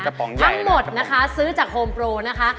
ปองทั้งหมดนะคะซื้อจากโฮมโปรนะคะ